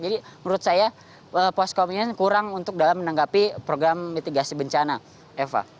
jadi menurut saya posko pengungsian kurang untuk dalam menanggapi program mitigasi bencana eva